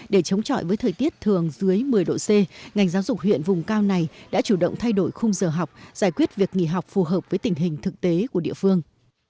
để chống chọi với thời tiết thường dưới một mươi độ c ngành giáo dục huyện vùng cao này đã chủ động thay đổi khung giờ học giải quyết việc nghỉ học phù hợp với tình hình thực tế của địa phương